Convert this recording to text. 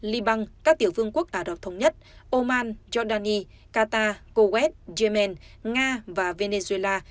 liban các tiểu vương quốc ả rập thống nhất oman jordani qatar kuwait yemen nga và venezuela